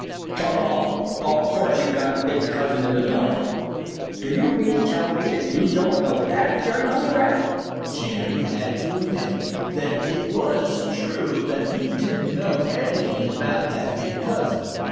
"Chugarum! Of course you've got a big cousin in the North. Do you mean to tell me that you don't know that, Jerry Muskrat?" Jerry had to admit that it was true that he didn't know anything about that big cousin.